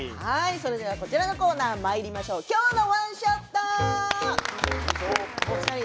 それではこちらのコーナー「きょうのワンショット」。